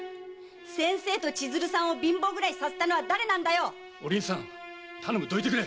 ⁉先生と千鶴さんを貧乏暮らしさせたのは誰だよ⁉頼むどいてくれ！